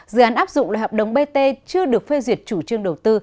dự án áp dụng là hợp đồng bt chưa được phê duyệt chủ trương đầu tư